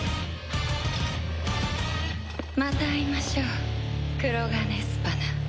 また会いましょう黒鋼スパナ。